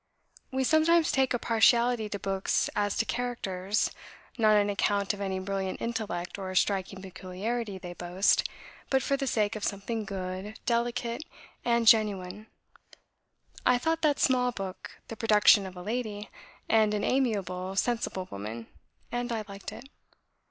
We sometimes take a partiality to books as to characters, not on account of any brilliant intellect or striking peculiarity they boast, but for the sake of something good, delicate, and genuine. I thought that small book the production of a lady, and an amiable, sensible woman, and I liked it.